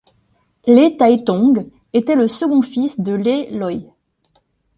Lê Thái Tông était le second fils de Lê Lợi.